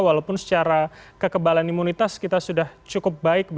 walaupun secara kekebalan imunitas kita sudah cukup baik